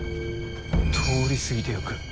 通り過ぎていく。